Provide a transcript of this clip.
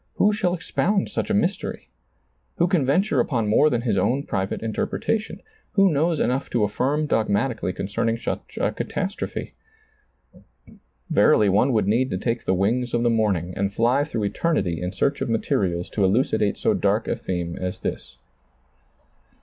Who shall expound such a mystery ? Who can venture upon more than his own private interpretation ? Who knows enough to affirm dogmatically concerning such a catastrophe? Verily one would need to take the wings of the morning and fly through eter nity in search of materials to elucidate so dark a theme as this.